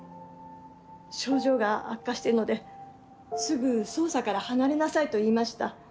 症状が悪化してるのですぐ捜査から離れなさいと言いました。